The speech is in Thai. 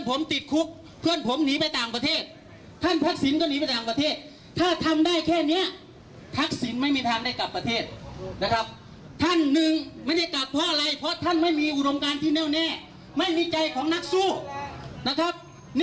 โอ้ยขับ๓๔๓๕น้ำตานองหน้านะครับ